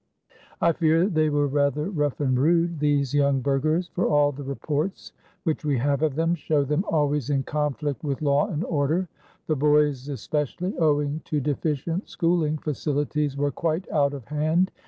I fear they were rather rough and rude, these young burghers, for all the reports which we have of them show them always in conflict with law and order. The boys especially, owing to deficient schooling facilities, were quite out of hand.